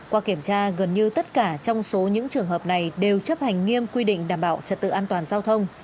qua kiểm tra gần như tất cả trong số những trường hợp này đều chấp hành nghiêm quy định đảm bảo trật tự an toàn giao thông